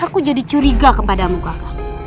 aku jadi curiga kepadamu kakak